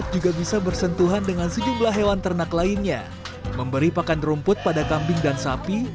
juga bisa bersentuhan dengan sejumlah hewan ternak lainnya memberi pakan rumput pada kambing dan sapi